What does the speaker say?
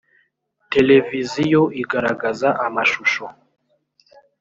televiziyo igaragaza amashusho .